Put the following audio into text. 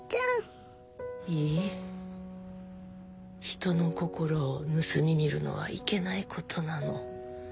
人の心を盗み見るのはいけないことなの。